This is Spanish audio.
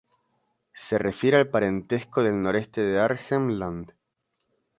Se refiere al parentesco del noreste de Arnhem Land.